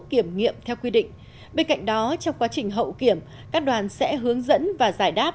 kiểm nghiệm theo quy định bên cạnh đó trong quá trình hậu kiểm các đoàn sẽ hướng dẫn và giải đáp